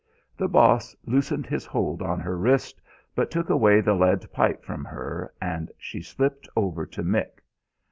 The Boss loosened his hold on her wrist, but took away the lead pipe from her, and she slipped over to Mick.